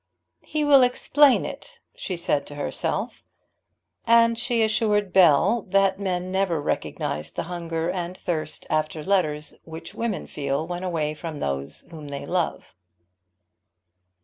"He will explain it," she said to herself. And she assured Bell that men never recognized the hunger and thirst after letters which women feel when away from those whom they love.